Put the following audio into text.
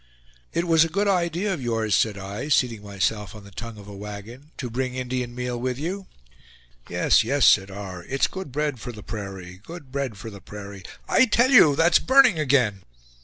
"It was a good idea of yours," said I, seating myself on the tongue of a wagon, "to bring Indian meal with you." "Yes, yes" said R. "It's good bread for the prairie good bread for the prairie. I tell you that's burning again."